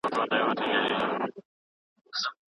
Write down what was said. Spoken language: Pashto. که زده کوونکی ړوند تقلید وکړي نو پرمختګ نه کوي.